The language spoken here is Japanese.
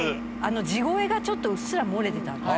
地声がうっすら漏れてたんです。